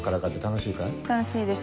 楽しいです。